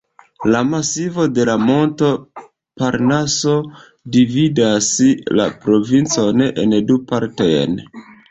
La masivo de la monto Parnaso dividas la provincon en du partojn.